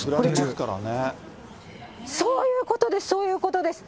そういうことです、そういうことです。